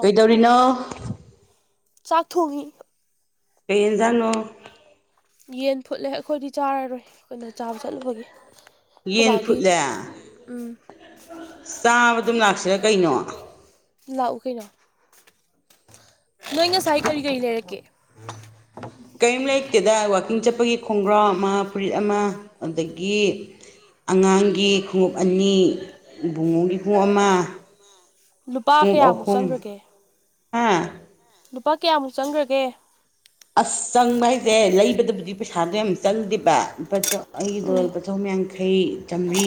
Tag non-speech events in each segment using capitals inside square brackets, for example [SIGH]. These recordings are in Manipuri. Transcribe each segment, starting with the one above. ꯀꯩꯗꯧꯔꯤꯅꯣ ꯆꯠ ꯍꯒ [INAUDIBLE] ꯀꯩ ꯢꯟꯁꯥꯡꯅꯣ ꯌꯦꯟ ꯐꯨꯠꯂꯦ ꯑꯩꯈꯣꯏꯗꯤ ꯆꯥꯔꯔꯣꯏ ꯀꯩꯅꯣ ꯆꯥꯕ ꯆꯠꯂꯨꯕꯒꯤ ꯌꯦꯟ ꯈꯣꯢꯕꯥꯒꯤ ꯎꯝ ꯆꯥꯕ ꯑꯗꯨꯝ ꯂꯥꯛꯁꯤꯔꯥ ꯀꯩꯅꯣ ꯂꯥꯛꯎ ꯀꯩꯅꯣ ꯅꯣꯏ ꯉꯁꯥꯏ ꯀꯔꯤ ꯀꯔꯤ ꯂꯩꯔꯛꯀꯦ ꯀꯌꯤꯝ ꯂꯩꯔꯛꯇꯦꯗ ꯋꯥꯛꯀꯤꯡ ꯆꯠꯄꯒꯤ ꯈꯣꯡꯒ꯭ꯔꯥꯎ ꯑꯃ ꯐꯨꯔꯤꯠ ꯑꯃ ꯑꯗꯒꯤ ꯑꯉꯥꯡꯒꯤ ꯈꯣꯡꯎꯞ ꯑꯅꯤ ꯕꯨꯡꯉꯣꯒꯤ ꯈꯣꯡꯎꯞ ꯑꯃ ꯂꯨꯄꯥ ꯈꯣꯡꯎꯞ ꯀꯌꯥꯃꯨꯛ ꯑꯍꯨꯝ ꯆꯪꯈ꯭ꯔꯒꯦ ꯍꯥ ꯂꯨꯄꯥ ꯀꯌꯥꯃꯨꯛ ꯆꯪꯒ꯭ꯔꯒꯦ ꯑꯁ ꯆꯪꯕ ꯍꯥꯏꯖꯦ ꯂꯩꯕꯗꯕꯨꯗꯤ ꯄꯩꯁꯥꯗꯣ ꯌꯥꯝ ꯆꯪꯗꯦꯕ ꯂꯨꯄꯥ ꯆꯥꯝ ꯑꯩꯒꯤꯗꯣ ꯎꯝ ꯂꯨꯄꯥ ꯆꯍꯨꯝꯌꯥꯡꯈꯩ ꯆꯥꯝꯔꯤ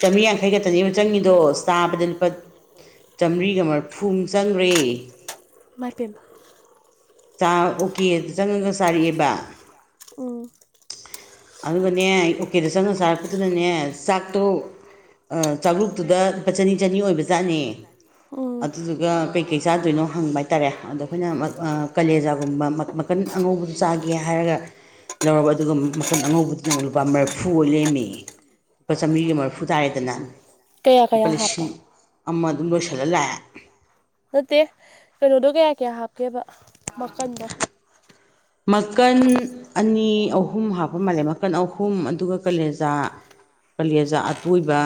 ꯆꯥꯝꯔꯤꯌꯥꯡꯈꯩ ꯈꯛꯇꯅꯦꯕ ꯆꯪꯉꯤꯗꯣ ꯆꯥꯕꯗ ꯂꯨꯄꯥ ꯆꯥꯝꯔꯤꯒ ꯃꯔꯐꯨꯃꯨꯛ ꯆꯪꯒ꯭ꯔꯦ ꯏꯃꯥꯏꯄꯦꯝꯃꯥ ꯆꯥ ꯑꯣꯀꯦꯗ ꯆꯪꯉꯒ ꯆꯥꯔꯛꯑꯦꯕ ꯎꯝ ꯑꯗꯨꯒꯅꯦ ꯑꯣꯀꯦꯗ ꯆꯪꯉꯥ ꯆꯥꯔꯛꯄꯗꯨꯅꯅꯦ ꯆꯥꯛꯇꯣ ꯑ ꯆꯥꯂꯨꯛꯇꯨꯗ ꯂꯨꯄꯥ ꯆꯅꯤ ꯆꯅꯤ ꯑꯣꯏꯕꯖꯥꯠꯅꯦ ꯎꯝ ꯑꯗꯨꯗꯨꯒ ꯄꯦꯛ ꯀꯩ ꯆꯥꯗꯣꯏꯅꯣ ꯍꯪꯕ ꯍꯥꯏꯇꯥꯔꯦ ꯑꯗ ꯑꯈꯣꯏꯅ ꯃꯛ ꯑ ꯀꯂꯦꯖꯥꯒꯨꯝꯕ ꯃꯛ ꯃꯀꯟ ꯑꯉꯧꯕꯗꯨ ꯆꯥꯒꯦ ꯍꯥꯏꯔꯒ ꯂꯧꯔꯕ ꯑꯗꯨꯒ ꯃꯛ ꯀꯟ ꯑꯉꯧꯕꯗꯨꯅ ꯑꯃꯨꯛ ꯂꯨꯄꯥ ꯃꯔꯐꯨ ꯑꯣꯏ ꯂꯩꯔꯝꯃꯦ ꯂꯨꯄꯥ ꯆꯥꯝꯔꯤꯒ ꯃꯔꯐꯨ ꯇꯥꯔꯦꯗꯅ ꯀꯌꯥ ꯂꯨꯄꯥ ꯀꯌꯥ ꯍꯥꯞꯄ ꯂꯤꯁꯤꯡ ꯑꯃ ꯑꯗꯨꯝ ꯂꯣꯏꯁꯤꯜꯂ ꯂꯥꯛꯑꯦ ꯅꯠꯇꯦ ꯀꯩꯅꯣꯗꯣ ꯀꯌꯥ ꯀꯌꯥ ꯍꯥꯞꯀꯦꯕ ꯃꯀꯟꯗꯣ ꯃꯀꯟ ꯑꯅꯤ ꯑꯍꯨꯝ ꯍꯥꯞꯄ ꯃꯥꯜꯂꯦ ꯃꯀꯟ ꯑꯍꯨꯝ ꯑꯗꯨꯒ ꯀꯂꯦꯖꯥ ꯀꯂꯦꯖꯥ ꯑꯇꯣꯏꯕ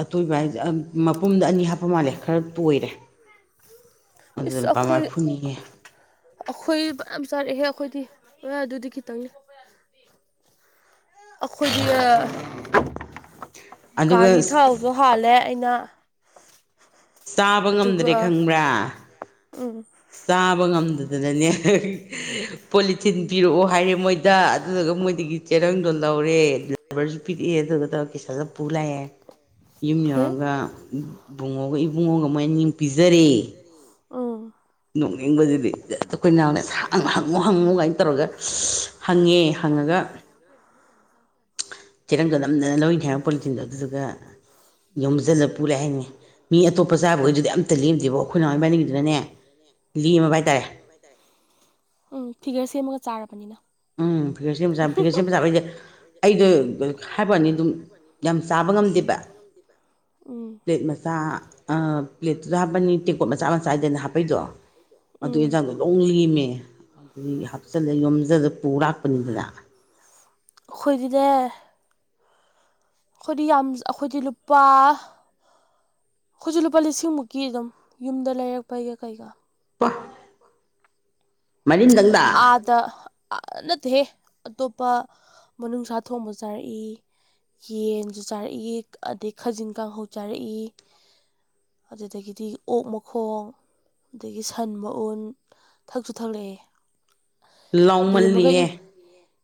ꯑꯇꯣꯏꯕ ꯍꯥꯏꯖꯦ ꯑꯝ ꯃꯄꯨꯝꯗ ꯑꯅꯤ ꯍꯥꯞꯄ ꯃꯥꯜꯂꯦ ꯈꯔ ꯇꯣꯏꯔꯦ ꯑꯗꯨꯗ ꯂꯨꯄꯥ ꯃꯔꯐꯨꯅꯦꯌꯦ ꯑꯈꯣꯏ ꯐꯅꯌꯥꯝ ꯆꯥꯔꯛꯍꯦ ꯑꯈꯣꯏꯗꯤ ꯅꯣꯏ ꯑꯗꯨꯗꯤ ꯈꯤꯇꯪꯅꯤ ꯑꯈꯣꯏꯒꯤ ꯑ ꯑꯗꯨꯒ ꯒꯥꯔꯤ ꯊꯥꯎꯖꯨ ꯍꯥꯜꯂꯦ ꯑꯩꯅ ꯆꯥꯕ ꯉꯝꯗ꯭ꯔꯦ ꯑꯗꯨꯒ ꯈꯪꯕ꯭ꯔꯥ ꯎꯝ ꯆꯥꯕ ꯉꯝꯗꯗꯅꯅꯦ ꯄꯣꯂꯤꯊꯤꯟ ꯄꯤꯔꯛꯑꯣ ꯍꯥꯏꯔꯦ ꯃꯣꯏꯗ ꯑꯗꯨꯗꯨꯒ ꯃꯣꯏꯗꯒꯤ ꯆꯦꯔꯪꯗꯣ ꯂꯧꯔꯦ ꯔꯕꯔꯖꯨ ꯄꯤꯔꯛꯑꯦ ꯑꯗꯨꯗꯣ ꯇꯧꯔꯒ ꯀꯤꯁꯜꯂꯥ ꯄꯨꯔꯥ ꯂꯥꯛꯑꯦ ꯌꯨꯝ ꯍꯦ ꯌꯧꯔꯒ ꯕꯨꯡꯉꯣꯒ ꯏꯕꯨꯡꯉꯣꯒ ꯃꯣꯏ‌ ꯑꯅꯤ ꯑꯃꯨꯛ ꯄꯤꯖꯔꯦ ꯎꯝ ꯅꯣꯛꯅꯤꯡꯕꯖꯤꯗꯤ ꯍꯦꯛꯇ ꯑꯈꯣꯏ ꯅꯥꯎꯅ ꯑꯁ ꯍꯪꯉꯨ ꯍꯪꯉꯨ ꯀꯥꯏꯅ ꯇꯧꯔꯒ ꯍꯪꯉꯦ ꯍꯪꯉꯒ ꯆꯤꯔꯪꯗꯣ ꯅꯝꯗꯅ ꯂꯧꯋꯤꯅꯤ ꯍꯥꯏꯕ ꯄꯣꯂꯤꯊꯤꯟꯗꯣ ꯑꯗꯨꯗꯨꯒ ꯌꯣꯝꯖꯜꯂ ꯄꯨꯔꯂꯥꯛꯑꯦ ꯍꯥꯏꯅꯤꯅꯦ ꯃꯤ ꯑꯇꯣꯞꯄ ꯆꯥꯕꯒꯩꯗꯨꯗꯤ ꯑꯝꯇ ꯂꯦꯝꯗꯦꯕꯣ ꯑꯈꯣꯏ ꯅꯥꯎ ꯏꯕꯅꯤꯒꯤꯗꯨꯅꯅꯦ ꯂꯦꯝꯃꯕ ꯍꯥꯏꯇꯥꯔꯦ ꯎꯝ ꯐꯤꯒꯔ ꯁꯦꯝꯃꯒ ꯆꯥꯔꯕꯅꯤꯅ ꯎꯝ ꯐꯤꯒꯔ ꯁꯦꯝ ꯆꯥꯕꯥ ꯐꯤꯒꯔ ꯁꯦꯝꯃꯥ ꯆꯥꯕꯥ ꯍꯥꯏꯖꯦ ꯑꯩꯗꯣ ꯍꯥꯏꯕꯩꯋꯥꯅꯤ ꯑꯗꯨꯝ ꯌꯥꯝ ꯆꯥꯕ ꯉꯝꯗꯦꯕ ꯎꯝ ꯄ꯭ꯂꯦꯠ ꯃꯆꯥ ꯑ ꯄ꯭ꯂꯦꯠꯇꯨꯗ ꯍꯥꯞꯄꯅꯤ ꯇꯦꯡꯀꯣꯠ ꯃꯆꯥ ꯃꯆꯥ ꯍꯥꯏꯗꯅ ꯍꯥꯞꯄꯩꯗꯣ ꯑꯗꯨ ꯎꯝ ꯑꯦꯟꯖꯥꯡꯗꯣ ꯂꯣꯡ ꯂꯦꯝꯃꯦ ꯑꯗꯨꯒꯤ ꯍꯥꯞꯆꯤꯜꯂ ꯌꯣꯝꯖꯜꯂ ꯄꯨꯔ ꯂꯥꯛꯄꯅꯤꯗꯅ ꯑꯈꯣꯏꯗꯤꯅꯦ ꯑꯈꯣꯏꯗꯤ ꯌꯥꯝ ꯑꯈꯣꯏꯗꯤ ꯂꯨꯄꯥ ꯑꯈꯣꯏꯖꯨ ꯂꯨꯄꯥ ꯂꯤꯁꯤꯡꯃꯨꯛꯀꯤ ꯑꯗꯨꯝ ꯌꯨꯝꯗ ꯂꯩꯔꯛꯄꯩꯒ ꯀꯩꯒꯥ ꯄꯥ ꯃꯔꯤꯡꯗꯪꯗ ꯇ ꯑ ꯅꯠꯇꯦꯍꯦ ꯑꯇꯣꯞꯄ ꯃꯅꯨꯡꯁꯥ ꯊꯣꯡꯕ ꯆꯥꯔꯛꯏ ꯌꯦꯟꯖꯨ ꯆꯥꯔꯛꯏ ꯑꯗꯩ ꯈꯥꯖꯤꯡ ꯀꯥꯡꯍꯧ ꯆꯥꯔꯛꯏ ꯑꯗꯨꯗꯒꯤꯗꯤ ꯑꯣꯛ ꯃꯈꯣꯡ ꯑꯗꯒꯤ ꯁꯟ ꯃꯎꯟ ꯊꯛꯁꯨ ꯊꯛꯂꯛꯑꯦ ꯕꯦꯝꯃꯥꯒ ꯂꯥꯎꯃꯜꯂꯤꯌꯦ ꯑꯦ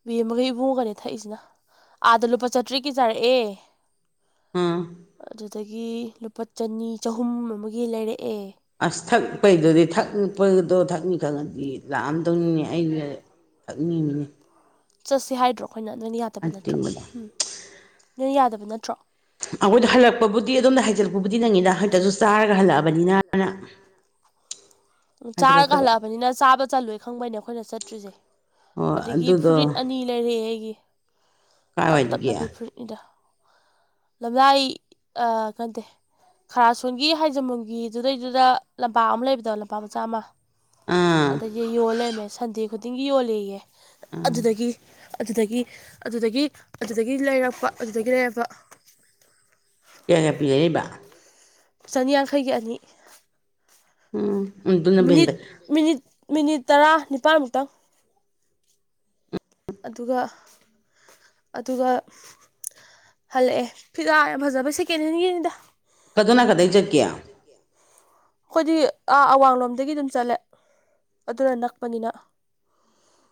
ꯕꯦꯝꯃꯒ ꯏꯕꯨꯡꯉꯣꯒꯅꯦ ꯊꯛꯏꯖꯤꯅ ꯑꯥꯗ ꯂꯨꯄꯥ ꯆꯥꯇ꯭ꯔꯦꯠꯀꯤ ꯆꯥꯔꯛꯑꯦ ꯑꯥ ꯑꯗꯨꯗꯒꯤ ꯂꯨꯄꯥ ꯆꯅꯤ ꯆꯍꯨꯝ ꯑꯃꯒꯤ ꯂꯩꯔꯛꯑꯦ ꯑꯁ ꯊꯛꯄꯩꯗꯨꯗꯤ ꯊꯛꯅꯤꯄꯗꯣ ꯊꯛꯅꯤ ꯈꯪꯉꯗꯤ ꯂꯥꯛꯑꯝꯗꯧꯅꯤꯉ ꯑꯩꯩꯅ ꯐꯠꯅꯤꯡꯅꯤꯡꯉ ꯆꯠꯁꯤ ꯍꯥꯏꯗ꯭ꯔꯣ ꯑꯩꯈꯣꯏꯅ ꯅꯣꯏꯅ ꯌꯥꯗꯕ ꯅꯠꯇ꯭ꯔꯣ ꯑꯇꯤꯡꯕꯗꯣ ꯎꯝ ꯅꯣꯏꯅ ꯌꯥꯗꯕ ꯅꯠꯇ꯭ꯔꯣ ꯑꯩꯈꯣꯏꯗ ꯍꯜꯂꯛꯄꯕꯨꯗꯤ ꯑꯗꯣꯝꯗ ꯍꯥꯏꯖꯤꯜꯂꯛꯄꯕꯨꯗꯤ ꯅꯪꯉꯤꯅ ꯍꯦꯛꯇꯁꯨ ꯆꯥꯔꯒ ꯍꯜꯂꯛꯑꯕꯅꯤꯅꯅ [UNINTELLIGIBLE] ꯎ ꯆꯥꯔꯒ ꯍꯥꯏꯖꯤꯜꯂꯛꯇꯕ ꯍꯜꯂꯛꯑꯕꯅꯤꯅ ꯆꯥꯕ ꯆꯠꯂꯨꯦ ꯈꯪꯕꯩꯅꯦ ꯑꯩꯈꯣꯏꯅ ꯆꯠꯇ꯭ꯔꯤꯁꯦ ꯑꯣ ꯑꯗꯒꯤ ꯑꯗꯨꯗꯣ ꯐꯨꯔꯤꯠ ꯑꯅꯤ ꯂꯩꯔꯦꯑꯦ ꯑꯩꯒꯤ ꯇꯞ ꯀꯥꯏꯋꯥꯏꯗꯒꯤ ꯇꯞꯅꯕꯤ ꯐꯨꯔꯤꯠ ꯏꯗ ꯂꯝꯂꯏ ꯀꯟꯗꯦ [INAUDIBLE] ꯈꯔ ꯁꯣꯟꯒꯤ ꯍꯥꯏꯖꯃꯨꯡꯒꯤꯗꯨꯗꯩꯗꯨꯗ ꯂꯝꯄꯥꯛ ꯑꯃ ꯂꯩꯕꯗꯣ ꯂꯨꯄꯥ ꯃꯆꯥꯥꯃ ꯑꯥ ꯑꯗꯒꯤ ꯌꯣꯜꯂꯔꯃꯦ ꯁꯟꯗꯦ ꯈꯨꯗꯤꯡꯒꯤ ꯌꯣꯂꯌꯦ ꯑꯗꯨꯗꯒꯤ ꯑꯗꯨꯗꯒꯤ ꯑꯗꯨꯗꯒꯤ ꯑꯗꯨꯗꯒꯤ ꯂꯩꯔꯛꯄ ꯑꯗꯨꯗꯒꯤ ꯂꯩꯔꯛꯔꯕ ꯀꯌꯥ ꯀꯌꯥ ꯄꯤꯖꯔꯤꯕ ꯆꯅꯤ ꯌꯥꯡꯈꯩꯒꯤ ꯑꯅꯤ ꯎꯝ ꯑꯗꯨꯅꯕꯨ ꯍꯦꯟ ꯃꯤꯅꯤꯠ ꯐꯩ ꯃꯤꯅꯤꯠ ꯃꯤꯅꯤꯠ ꯇꯔꯥ ꯅꯤꯄꯥꯜꯃꯨꯛꯇꯪ ꯑꯗꯨꯒ ꯑꯗꯨꯒ ꯍꯜꯂꯛꯑꯦ ꯐꯤꯖꯥ ꯌꯥꯝ ꯐꯖꯕꯩ ꯁꯦꯀꯦꯟ ꯍꯦꯟꯒꯤꯅꯤꯗ ꯀꯗꯣꯝ ꯅꯥꯀꯟꯗꯩ ꯀꯗꯅ ꯆꯠꯀꯦ ꯀꯗ ꯆꯀꯦ [INAUDIBLE] ꯑꯩꯈꯣꯏꯗꯤ ꯑꯥ ꯑꯋꯥꯡꯂꯣꯝꯗꯒꯤ ꯑꯗꯨꯝ ꯆꯠꯂꯦ ꯑꯗꯨꯅ ꯅꯛꯄꯅꯤꯅ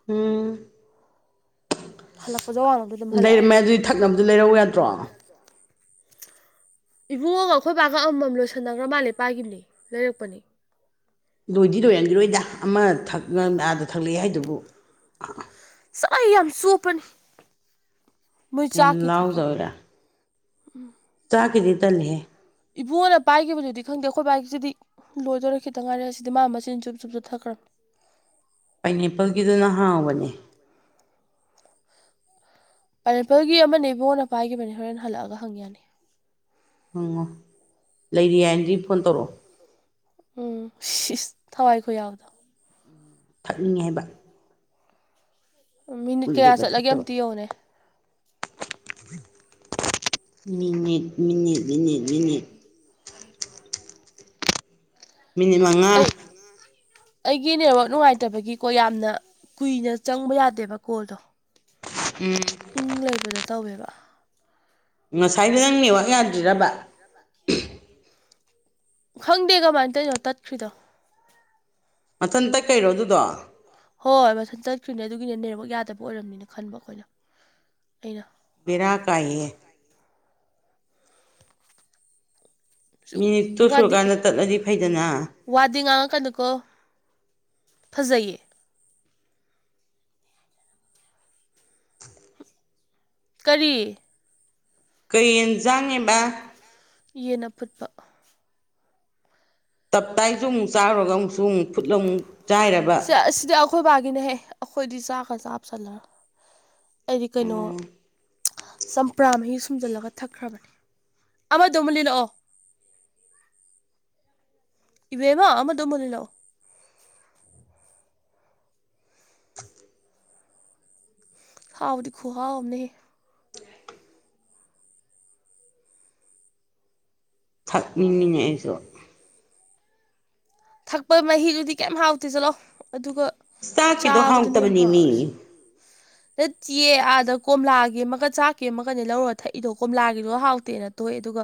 ꯎꯝ ꯍꯜꯂꯛꯄꯗ ꯋꯥꯡꯉꯗꯒꯤ ꯂꯩꯔꯝꯃꯦ ꯑꯗꯨꯒꯤ ꯊꯛꯅꯕꯗꯨ ꯂꯩꯔꯧ ꯌꯥꯗ꯭ꯔꯣ ꯏꯕꯨꯡꯉꯒ ꯑꯩꯈꯣꯏ ꯕꯥꯒ ꯑꯃꯃꯝ ꯂꯣꯏꯁꯤꯟꯅꯈ꯭ꯔ ꯃꯦ ꯄꯥꯏꯒꯤꯅꯤ ꯂꯩꯔꯛꯄꯅꯤ ꯂꯣꯏꯗꯤ ꯂꯣꯏꯔꯝꯈꯤꯔꯣꯏꯗ ꯑꯃ ꯑꯥꯗ ꯊꯛꯂꯛꯑꯦ ꯍꯥꯏꯗꯨꯕꯨ ꯁꯥꯏ ꯑꯃ ꯁꯣꯄꯅꯤ ꯃꯣꯏ ꯆꯥꯛ ꯌꯥꯝ ꯊꯛꯀꯅ ꯆꯥꯒꯤꯗꯤ ꯇꯥꯜꯂꯤꯍꯦ ꯏꯕꯣꯅ ꯄꯥꯏꯈꯤꯕꯗꯨꯗꯤ ꯈꯪꯗꯦ ꯑꯩꯈꯣꯏ ꯕꯥꯏꯛꯁꯤꯗꯤ ꯂꯣꯏꯗꯣꯏꯔ ꯈꯤꯇ ꯉꯥꯏꯔꯦ ꯑꯁꯤꯗꯤ ꯃꯥ ꯃꯆꯤꯟ ꯆꯨꯞ ꯆꯨꯞ ꯆꯠꯊꯈ꯭ꯔꯦ ꯄꯥꯏꯅꯦꯄꯜꯒꯤꯗꯨꯅ ꯍꯥꯎꯕꯅꯦ ꯄꯥꯏꯅꯦꯄꯜꯒꯤ ꯑꯃꯅꯦ ꯏꯕꯣꯅꯄꯥꯥꯏꯒꯤꯕꯅꯦ ꯍꯣꯔꯦꯟ ꯍꯜꯂꯛꯑꯒ ꯍꯪ ꯌꯥꯅꯤ ꯍꯪꯉꯣ ꯂꯩꯔꯤ ꯌꯥꯅꯗꯤ ꯐꯣꯟ ꯇꯧꯔꯛꯑꯣ ꯎꯝ ꯊꯋꯥꯏꯈꯣ ꯌꯥꯎꯕꯗꯣ ꯊꯛꯅꯤꯡꯉꯦ ꯍꯥꯏꯕ ꯃꯤꯅꯤꯠ ꯀꯌꯥ ꯀꯨꯏꯔꯦꯕ ꯆꯠꯂꯒꯦ ꯊꯛꯇꯕ ꯑꯃꯝꯇ ꯌꯧꯅꯦ minute minute minute minute minute ꯃꯉꯥ ꯑꯩ ꯑꯩꯒꯤ ꯅꯦꯠꯋꯛ ꯅꯨꯡꯉꯥꯏꯇꯕꯒꯤꯀꯣ ꯌꯥꯝꯅ ꯀꯨꯏꯅ ꯆꯪꯕ ꯌꯥꯗꯦꯕ ꯀꯣꯜꯗꯣ ꯎꯝ ꯂꯩꯕꯗꯣ ꯇꯧꯋꯦꯕ ꯉꯁꯥꯏꯅ ꯅꯪ ꯅꯦꯋꯥꯛ ꯌꯥꯗ꯭ꯔꯕ [UNINTELLIGIBLE] ꯎꯝ [INAUDIBLE] ꯈꯪꯗꯦ ꯀꯃꯥꯏꯅ ꯇꯧꯅꯣ ꯇꯠꯈ꯭ꯔꯤꯗꯣ ꯃꯊꯟꯇ ꯀꯩꯔꯣ ꯑꯗꯨꯗꯣ ꯍꯣꯏ ꯍꯣꯏ ꯃꯊꯟ ꯆꯠꯠꯇ꯭ꯔꯤꯅꯦ ꯑꯗꯨꯒꯤꯅꯦ ꯅꯦꯔꯛ ꯌꯥꯗꯕ ꯑꯣꯏꯔꯝꯅꯤꯅ ꯈꯟꯕ ꯑꯩꯈꯣꯏꯅ ꯑꯩꯅ ꯕꯤꯔ ꯀꯥꯏꯌꯦ ꯁꯨꯛ ꯃꯤꯅꯤꯠꯇꯣ ꯋꯥꯗꯤ ꯁꯨꯔꯀꯥꯟꯗ ꯇꯠꯂꯗꯤ ꯐꯩꯗꯅ ꯋꯥꯗꯤ ꯉꯥꯡꯉꯀꯩꯅꯨꯀꯣ ꯐꯖꯩꯌꯦ ꯀꯔꯤ ꯀꯩ ꯌꯦꯟꯖꯥꯡꯉꯤꯕ ꯌꯦꯟꯅ ꯐꯨꯠꯄ ꯇꯞꯇꯥꯏꯁꯨ ꯑꯃꯨꯛ ꯆꯥꯔꯨꯔꯒ ꯑꯃꯨꯛꯁꯨ ꯑꯃꯨꯛ ꯐꯨꯠꯂ ꯑꯃꯨꯛ ꯆꯥꯏꯔꯕ ꯑꯁꯤꯗꯤ ꯑꯩꯈꯣꯏ ꯕꯥꯒꯤꯅꯦꯍꯦ ꯑꯩꯈꯣꯏꯗꯤ ꯆꯥꯛꯒ ꯆꯥꯞꯁꯜꯂ ꯍꯥꯏꯗꯤ ꯀꯩꯅꯣ ꯆꯝꯄ꯭ꯔꯥ ꯃꯍꯤ ꯁꯨꯝꯖꯤꯜꯂꯒ ꯊꯛꯈ꯭ꯔꯕꯅꯦ ꯑꯃꯗꯨꯃ ꯂꯩ ꯂꯛꯑꯣ ꯏꯕꯦꯕ ꯑꯃꯗꯣꯃꯅꯤ ꯂꯣ ꯍꯥꯎ ꯈꯣ ꯍꯥꯎꯅꯦ ꯊꯛꯅꯤꯡꯅꯤꯡꯉꯁꯨ ꯊꯛꯄ ꯃꯍꯤꯗꯨꯗꯤ ꯀꯩꯝ ꯍꯥꯎꯇꯦ ꯆꯠꯂꯣ ꯑꯗꯨꯒ ꯇꯥꯛꯀꯤꯗꯣ ꯆꯥꯕꯗꯨꯅ ꯍꯥꯡꯇꯕꯅꯤ ꯃꯤ ꯅꯠꯇꯤꯦ ꯑꯥꯗ ꯀꯣꯝꯂꯥꯒꯤ ꯑꯃꯀꯠ ꯆꯥꯛꯀꯦ ꯑꯃꯀꯛꯅꯦ ꯂꯧꯔꯨꯔꯒ ꯊꯛꯏꯗꯣ ꯀꯣꯝꯂꯥꯒꯤꯗꯣ ꯍꯥꯎꯇꯦꯅ ꯊꯣꯛꯑꯦ ꯑꯗꯨꯒ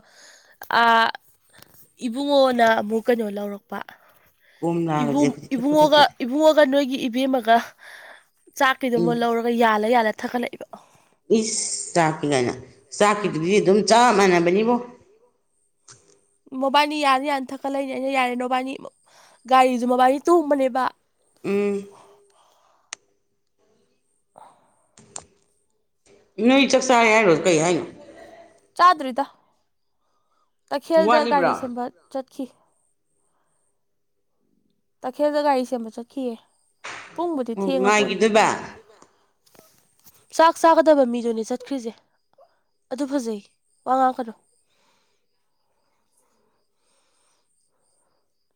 ꯏꯕꯨꯡꯉꯣꯅ ꯑꯃꯨꯛ ꯀꯩꯅꯣ ꯂꯧꯔꯛꯄ ꯀꯣꯝ ꯂꯥꯛꯑꯒꯗꯤ ꯏꯕꯨꯡ ꯑꯩꯈꯣꯏꯗꯤ ꯊꯛꯄꯨ ꯏꯕꯨꯡꯉꯣꯒ ꯊꯛꯇꯦꯗ ꯏꯕꯨꯡꯉꯣꯒ ꯅꯣꯏꯒꯤ ꯏꯕꯦꯝꯃ ꯆꯥꯛꯀꯤꯗꯨꯃ ꯎꯝ ꯂꯧꯔꯒ ꯌꯥꯜꯂ ꯌꯥꯜꯂ ꯊꯛꯒꯠꯂꯛꯏꯕ ꯏꯁ ꯆꯥꯛꯀꯤ ꯀꯥꯏꯅ ꯆꯥꯛꯀꯤꯗꯨꯗꯤ ꯑꯗꯨꯝ ꯆꯞ ꯃꯥꯟꯅꯕꯅꯤꯕꯣ ꯃꯣꯕꯥꯏꯅꯤ ꯌꯥꯅꯤ ꯌꯥꯅꯤ ꯊꯛꯀꯠ ꯂꯩꯅꯤ ꯑꯩꯅ ꯌꯥꯔꯦ ꯃꯣꯕꯥꯅꯤ ꯒꯥꯔꯤꯁꯨ ꯃꯣꯕꯥꯅꯤ ꯇꯣꯡꯕꯅꯦꯕ ꯎꯝ ꯑ ꯅꯣꯏ ꯆꯥꯛ ꯆꯥꯔꯦ ꯍꯥꯏꯔꯣꯁꯨ ꯀꯩ ꯍꯥꯏꯅꯣ ꯆꯥꯗ꯭ꯔꯤꯗ ꯀꯩꯊꯦꯜꯗ ꯋꯥꯠꯂꯤꯕ꯭ꯔꯣ ꯒꯥꯔꯤ ꯁꯦꯝꯕ ꯑꯣ ꯆꯠꯈꯤ ꯇꯈꯦꯜꯗ ꯒꯥꯔꯤ ꯁꯦꯝꯕ ꯆꯠꯈꯤꯑ ꯄꯨꯡꯕꯨꯗꯤ ꯊꯦꯡꯉ ꯄꯣꯠꯅꯦ ꯉꯥꯏꯈꯤꯗꯣꯏꯕ ꯆꯥꯛ ꯆꯥꯒꯗꯕ ꯃꯤꯗꯨꯅꯦ ꯆꯠꯈ꯭ꯔꯤꯁꯦ ꯑꯗꯨ ꯐꯖꯩ ꯋꯥ ꯉꯥꯡꯀꯅꯣ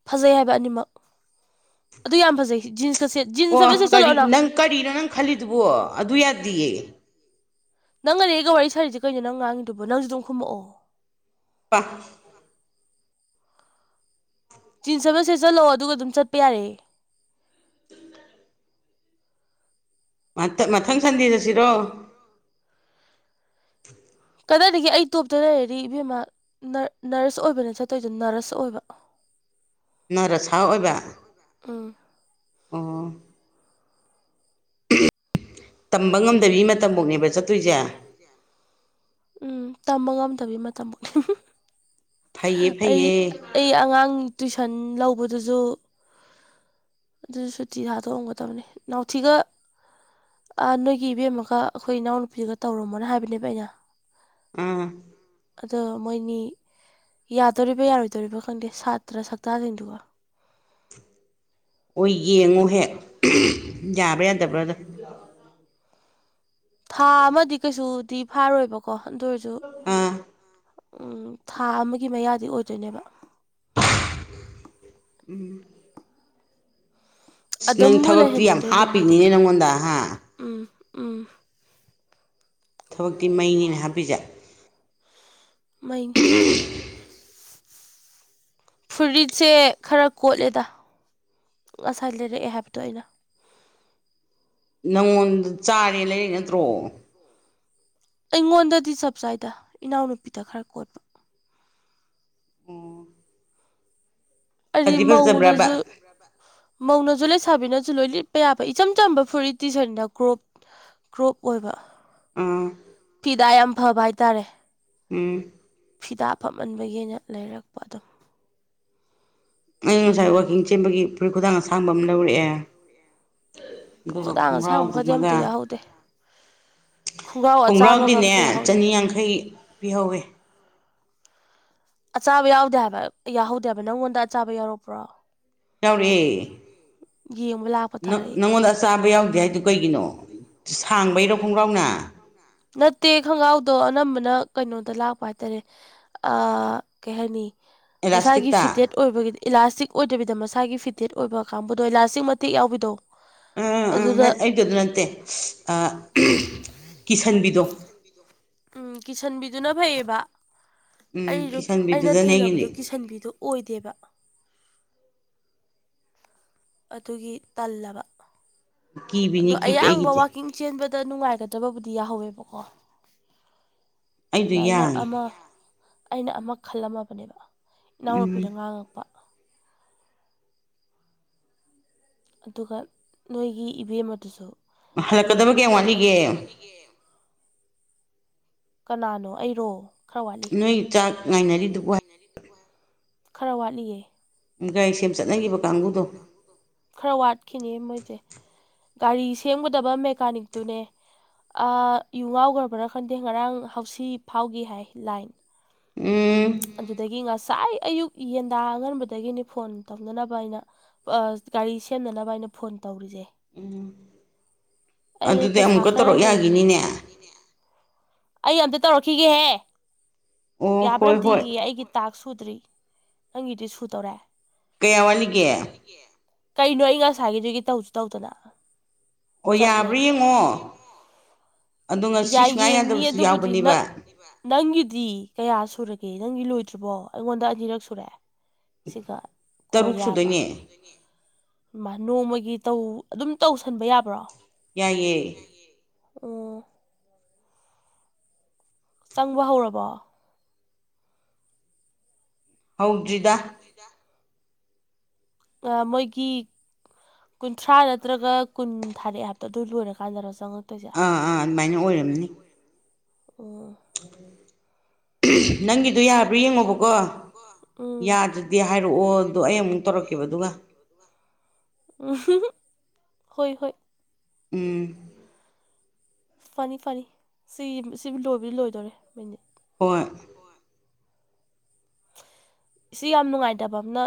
ꯐꯖꯩ ꯍꯥꯏꯕ ꯑꯅꯤꯃꯛ ꯑꯗꯨ ꯌꯥꯝ ꯐꯖꯩ ꯖꯤꯟꯁꯀ ꯁꯦ ꯖꯤꯟꯁ ꯍꯥꯏꯕ ꯑꯣ ꯀꯔꯤ ꯁꯦꯠꯆꯜꯂꯛꯑꯣꯅ ꯅꯪ ꯀꯔꯤꯅꯣ ꯅꯪ ꯈꯜꯂꯤꯗꯨꯕꯣ ꯑꯗꯨ ꯌꯥꯗꯌꯦ ꯅꯪ ꯑꯅꯦꯛꯒ ꯋꯥꯔꯤ ꯁꯥꯔꯤꯁꯦ ꯀꯩꯅꯣ ꯅꯪ ꯉꯥꯡꯉꯗꯨꯕ ꯅꯪꯁꯨ ꯑꯗꯨꯝ ꯈꯨꯝꯃꯛꯛꯑꯣ ꯋꯥ ꯆꯤꯟꯁꯕꯁꯦ ꯆꯠꯂꯛꯑꯣ ꯑꯗꯨꯒ ꯑꯗꯨꯝ ꯆꯠ ꯌꯥꯔꯦ ꯃꯊꯪ ꯁꯟꯗꯦꯗ ꯁꯤꯔꯣ ꯀꯗꯥꯏꯗꯒꯤ ꯑꯩ ꯇꯣꯞꯇ ꯂꯩꯔꯗꯤ ꯏꯕꯦꯝꯃꯥ ꯅꯔꯁ ꯑꯣꯏꯕꯅꯦ ꯆꯠꯇꯣꯏꯗꯣ ꯅꯔꯁ ꯑꯣꯏꯕ ꯅ ꯔꯁꯥ ꯑꯣꯏꯕ ꯑꯝ ꯑꯥ ꯇꯝꯕ ꯉꯝꯗꯕꯤ ꯃꯇꯝꯐꯥꯎꯅꯦꯕ ꯆꯠꯇꯣꯏꯁꯦ ꯎꯝ ꯇꯝꯕ ꯉꯝꯗꯕꯤꯒꯤ ꯃꯇꯝꯕꯨꯥꯎꯅꯤ ꯐꯩꯌꯦ ꯑꯩ ꯐꯩꯌꯦ ꯑꯩ ꯑꯉꯥꯡ ꯇꯨꯏꯁꯟ ꯂꯧꯕꯗꯨꯁꯨ ꯑꯗꯨꯅ ꯁꯨꯇꯤꯗ ꯊꯥꯗꯣꯛꯑꯝꯒꯗꯕꯅꯤ ꯅꯥꯎꯊꯤꯒ ꯅꯣꯏꯒꯤ ꯏꯕꯦꯝ ꯑꯃꯒ ꯑꯩꯈꯣꯏ ꯏꯅꯥꯎꯅꯄꯤꯗꯨꯒ ꯇꯧꯔꯝꯃꯣꯅ ꯍꯥꯏꯕꯅꯦꯕ ꯑꯩꯅ ꯑꯝ ꯑꯗꯣ ꯃꯣꯏꯅꯤ ꯌꯥꯗꯣꯔꯤꯕ ꯌꯥꯔꯣꯏꯗꯣꯔꯤꯕ ꯈꯪꯗꯦ ꯁꯥꯇ꯭ꯔ ꯁꯛꯇ꯭ꯔꯁꯤꯡꯗꯨꯒ ꯍꯣꯏ ꯌꯦꯡꯉꯣ ꯍꯦꯛ ꯌꯥꯕ꯭ꯔꯥ ꯌꯥꯗꯕ꯭ꯔꯥꯗ ꯊꯥ ꯑꯃꯗꯤ ꯀꯩꯁꯨꯗꯤ ꯐꯥꯔꯣꯏꯕꯀꯣ ꯑꯗꯨ ꯑꯣꯏꯔꯁꯨ ꯑꯥ ꯎ ꯊꯥ ꯑꯃꯒꯤ ꯃꯌꯥꯗꯤ ꯑꯣꯏꯗꯣꯏꯅꯦꯕ ꯎꯝ ꯑꯁ ꯅꯪ ꯑꯗꯨꯝꯕꯨ ꯊꯕꯛꯇꯤ ꯌꯥꯝ ꯂꯩꯍꯟꯅꯤꯡꯗꯣꯏꯅꯦ ꯃꯥꯗꯤ ꯍꯥꯞꯄꯤꯅꯤꯅꯦ ꯅꯪꯉꯣꯟꯗ ꯍꯥ ꯎꯝ ꯎꯝ ꯊꯕꯛꯇꯤ ꯃꯩꯅꯤꯅ ꯍꯥꯞꯄꯤꯁꯠ ꯃ ꯎꯝ ꯐꯨꯔꯤꯠꯁꯦ ꯈꯔ ꯀꯣꯠꯂꯦꯗ ꯉꯁꯥꯏ ꯂꯩꯔꯛꯑꯦ ꯍꯥꯏꯕꯗꯣ ꯑꯩꯅ ꯅꯪꯉꯣꯟꯗ ꯆꯥꯔꯦ ꯂꯩꯥꯏꯔꯩ ꯅꯠꯇ꯭ꯔꯣ ꯑꯩꯉꯣꯟꯗꯗꯤ ꯆꯞ ꯆꯥꯏꯗ ꯏꯅꯥꯎꯅꯨꯄꯤꯗ ꯈꯔ ꯀꯣꯠꯄ ꯑꯣ ꯍꯥꯏꯗꯤ ꯐꯗꯤ ꯐꯖꯕ꯭ꯔꯕ ꯃꯧꯅꯁꯨ ꯃꯧꯅꯁꯨ ꯂꯩꯁꯥꯕꯤꯅꯁꯨ ꯂꯣꯏ ꯂꯤꯠꯄ ꯌꯥꯕ ꯏꯆꯝ ꯆꯝꯕ ꯐꯨꯔꯤꯠ ꯇꯤꯁꯟꯅ ꯀ꯭ꯔꯣꯞ ꯀ꯭ꯔꯣꯞ ꯑꯣꯏꯕ ꯑꯥ ꯐꯤꯗꯥ ꯌꯥꯝ ꯐꯕ ꯍꯥꯏꯇꯥꯔꯦ ꯎꯝ ꯐꯤꯗꯥ ꯐꯃꯟꯕꯒꯤ ꯑꯩꯅ ꯂꯩꯔꯛꯄ ꯑꯗꯨꯝ ꯑꯩꯅ ꯉꯁꯥꯏ ꯋꯥꯛꯀꯤꯡ ꯆꯦꯟꯕꯒꯤ ꯐꯨꯔꯤꯠ ꯈꯨꯗꯥꯡ ꯑꯁꯥꯡꯕ ꯑꯃ ꯂꯧꯔꯛꯑꯦ ꯑꯗꯨꯒ ꯈꯨꯗꯥꯡ ꯈꯣꯡꯒ꯭ꯔꯥꯎ ꯑꯁꯥꯡꯕꯒꯗꯤ ꯗꯨꯃꯒ ꯑꯝꯇ ꯌꯥꯎꯍꯧꯗꯦ ꯈꯣꯡꯒ꯭ꯔꯥꯎ ꯑꯆꯥꯕꯒ ꯈꯣꯡꯒ꯭ꯔꯥꯎꯗꯤꯅꯦ ꯑꯝꯇ ꯌꯥꯎꯍꯧꯗꯦ ꯆꯥꯅꯤ ꯌꯥꯡꯈꯩ ꯄꯤꯍꯧꯋꯤ ꯑꯆꯥꯕ ꯌꯥꯎꯗꯦ ꯍꯥꯏꯕ ꯌꯥꯎꯍꯧꯗꯦꯕ ꯅꯪꯉꯣꯟꯗ ꯑꯆꯥꯕ ꯌꯥꯎꯔꯛꯄ꯭ꯔꯣ ꯌꯥꯎꯔꯛꯑꯦ ꯌꯦꯡꯕ ꯂꯥꯛꯄ ꯅꯪ ꯇꯥꯔꯦ ꯑꯩ ꯅꯪꯉꯣꯟꯗ ꯑꯆꯥꯕ ꯌꯥꯎꯗꯦ ꯍꯥꯏꯗꯨ ꯀꯩꯒꯤꯅꯣ ꯁꯥꯡꯕꯩꯔꯣ ꯈꯣꯡꯒ꯭ꯔꯥꯎꯅ ꯅꯠꯇꯦ ꯈꯣꯡꯒ꯭ꯔꯥꯎꯗꯣ ꯑꯅꯝꯕꯅ ꯀꯩꯅꯣꯗ ꯂꯥꯛꯄ ꯍꯥꯏꯇꯥꯔꯦ ꯑꯥ ꯀꯩ ꯍꯥꯏꯅꯤ ꯃꯁꯥꯒꯤ ꯑꯦꯂꯥꯁꯇꯤꯛꯇ ꯐꯤꯇꯦꯠ ꯑꯣꯏꯕꯒꯤ ꯏꯂꯥꯁꯇꯤꯛ ꯑꯣꯏꯗꯕꯤꯗ ꯃꯁꯥꯒꯤ ꯐꯤꯇꯦꯠ ꯑꯣꯏꯕ ꯀꯥꯡꯕꯨꯗꯣ ꯏꯂꯥꯁꯇꯤꯛ ꯃꯇꯦꯛ ꯌꯥꯎꯕꯤꯗꯣ ꯎꯝ ꯎꯝ ꯑꯗꯨꯗ ꯑꯩꯗꯤ ꯑꯩꯗꯨ ꯅꯠꯇꯦ ꯀꯤꯁꯟꯕꯤꯗꯣ ꯎꯝ ꯀꯤꯁꯟꯕꯤꯗꯨꯅ ꯐꯩꯌꯦꯕ ꯎꯝ ꯑꯩꯗꯨ ꯑꯩꯅ ꯀꯤꯁꯟꯕꯤꯗꯨꯗꯅꯦ ꯊꯦꯡꯅꯕꯗꯣ ꯑꯩꯒꯤꯗꯤ ꯀꯤꯁꯟꯕꯤꯗꯨ ꯑꯣꯏꯗꯦꯕ ꯑꯗꯨꯒꯤ ꯇꯜꯂꯕ ꯑꯗꯣ ꯀꯤꯕꯤꯅꯤ ꯀꯤꯕꯤ ꯑꯌꯥꯡꯕ ꯑꯩꯒꯤꯗꯤ ꯋꯥꯛꯀꯤꯡ ꯆꯦꯟꯕꯗ ꯅꯨꯡꯉꯥꯏꯒꯗꯕꯕꯨꯗꯤ ꯌꯥꯍꯧꯋꯦꯕꯀꯣ ꯑꯩꯗꯣ ꯑꯗ ꯑꯩꯅ ꯌꯥꯡꯉꯦ ꯑꯃ ꯑꯩꯅ ꯑꯃ ꯈꯜꯂꯝꯃꯕꯅꯦꯕ ꯏꯅꯥꯎꯅꯨꯄꯤꯅ ꯎꯝ ꯉꯥꯡꯉꯛꯄ ꯑꯗꯨꯒ ꯅꯣꯏꯒꯤ ꯏꯚꯦꯝꯃꯗꯨꯁꯨ ꯍꯜꯂꯛꯀꯗꯕ ꯀꯌꯥꯝ ꯋꯥꯠꯂꯤꯒꯦ ꯒꯦ ꯀꯅꯥꯅꯣ ꯑꯩꯔꯣ ꯈꯔ ꯋꯥꯠꯂꯤ ꯅꯣꯏ ꯆꯥꯛ ꯉꯥꯏꯅꯔꯤꯗꯨꯕꯨ ꯍꯥꯏ [INAUDIBLE] ꯈꯔ ꯋꯥꯠꯂꯤꯌꯦ ꯒꯥꯔꯤ ꯁꯦꯝ ꯆꯠꯅꯈꯤꯕ ꯀꯥꯡꯕꯨꯗꯣ ꯈꯔ ꯋꯥꯠꯈꯤꯅꯤ ꯃꯣꯏꯁꯦ ꯒꯥꯔꯤ ꯁꯦꯝꯒꯗꯕ ꯃꯦꯀꯥꯅꯤꯛꯇꯨꯅꯦ ꯌꯨ ꯉꯥꯎꯈ꯭ꯔꯕ꯭ꯔꯥ ꯈꯪꯗꯦ ꯉꯔꯥꯡ ꯍꯥꯎꯁꯤ ꯐꯥꯎꯒꯤ ꯍꯥꯏ ꯂꯥꯏꯟ ꯎꯝ ꯑꯗꯨꯗꯒꯤ ꯉꯁꯥꯏ ꯑꯌꯨꯛ ꯌꯦꯟꯗꯥ ꯑꯉꯟꯕꯗꯒꯤꯅꯤ ꯐꯣꯟ ꯇꯧꯅꯅꯕ ꯑꯩꯅ ꯒꯥꯔꯤ ꯁꯦꯝꯅꯅꯕ ꯑꯩꯅ ꯐꯣꯟ ꯇꯧꯔꯤꯁꯦ ꯑꯩꯅ ꯑꯗꯨꯗꯤ ꯄꯩꯁꯥ ꯑꯃꯨꯛꯀ ꯈꯔ ꯇꯧꯔꯛ ꯂꯩ ꯌꯥꯒꯤꯅꯤꯅꯦ ꯑꯩ ꯑꯝꯇ ꯇꯧꯔꯛꯈꯤꯒꯦꯍꯦ ꯑꯣ ꯌꯥꯕ꯭ꯔ ꯍꯣꯏ ꯑꯝꯇ ꯍꯣꯏ ꯌꯦꯡꯒꯦ ꯑꯩꯒꯤ ꯇꯥꯛꯁ ꯁꯨꯗ꯭ꯔꯤ ꯅꯪꯒꯤꯗꯤ ꯁꯨꯗꯣꯔꯦ ꯀꯌꯥ ꯋꯥꯠꯂꯤꯒꯦ ꯀꯩꯅꯣ ꯑꯩ ꯉꯁꯥꯏꯒꯤꯗꯒꯤ ꯇꯧꯁꯨ ꯇꯧꯗꯅ ꯍꯣꯏ ꯆꯠ ꯌꯥꯕ꯭ꯔꯥ ꯂꯩꯔꯒ ꯌꯦꯡꯉꯣ ꯑꯗꯣ ꯉꯁꯤ ꯌꯥꯏ ꯁꯨꯡꯌꯥ ꯌꯦꯡꯅꯤ ꯌꯥꯗꯕꯁꯨ ꯑꯗꯨꯕꯨꯗꯤ ꯅꯪ ꯌꯥꯎꯕꯅꯦꯕ ꯅꯪꯒꯤꯗꯤ ꯀꯌꯥ ꯁꯨꯔꯒꯦ ꯅꯪꯒꯤ ꯂꯣꯏꯗ꯭ꯔꯤꯕꯣ ꯑꯩꯉꯣꯟꯗ ꯑꯅꯤꯔꯛ ꯁꯨꯔꯦ ꯁꯤꯒ ꯀꯣꯜ ꯇꯔꯨꯛ ꯌꯥꯕ ꯁꯨꯗꯣꯏꯅꯦ ꯃꯥ ꯅꯣꯡꯃꯒꯤ ꯇꯧ ꯑꯗꯨꯝ ꯇꯧꯁꯟꯕ ꯌꯥꯕ꯭ꯔꯣ ꯌꯥꯏꯌꯦ ꯑꯣ ꯆꯪꯕ ꯍꯧꯔꯕꯣ ꯍꯧꯗ꯭ꯔꯤꯗ ꯗ꯭ꯔꯤꯗ ꯑꯥ ꯃꯣꯏꯒꯤ ꯀꯨꯟꯊ꯭ꯔꯥ ꯅꯠꯇ꯭ꯔꯒ ꯀꯨꯟ ꯊꯥꯔꯦ ꯍꯥꯏꯕꯗꯣ ꯑꯗꯨ ꯂꯣꯏꯔꯀꯥꯟꯗꯅꯣ ꯆꯪꯉꯛꯇꯣꯏꯁꯦ ꯑꯥ ꯑꯥ ꯑꯗꯨꯃꯥꯏꯅ ꯑꯣꯏꯔꯝꯅꯤ ꯑꯣ ꯎ ꯅꯪꯒꯤꯗꯣ ꯌꯥꯕ꯭ꯔꯥ ꯌꯦꯡꯉꯣꯕꯀꯣ ꯎꯝ ꯌꯥꯗ꯭ꯔꯗꯤ ꯍꯥꯏꯔꯛꯑꯣ ꯑꯗꯨꯗꯣ ꯑꯩ ꯑꯃꯨꯛ ꯇꯧꯔꯛꯀꯦꯕ ꯑꯗꯨꯒ ꯎ ꯍꯣꯏ ꯍꯣꯏ ꯎꯝ ꯐꯅꯤ ꯐꯅꯤ ꯁꯤ ꯁꯤꯕꯨ ꯂꯣꯏꯕꯗꯤ ꯂꯣꯏꯗꯧꯔꯦ ꯃꯅꯤꯠ ꯍꯣꯏ ꯁꯤ ꯌꯥꯝ ꯅꯨꯡꯉꯥꯏꯇꯕ ꯑ ꯑꯃꯅ